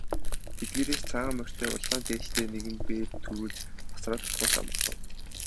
Тэдгээрээс цагаан морьтой улаан дээлтэй нэгэн бээр түрүүлж тасраад тун ч омголон.